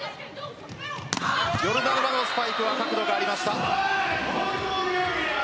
ヨルダノバのスパイクは角度がありました。